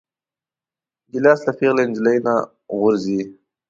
ګیلاس له پېغلې نجلۍ نه غورځي.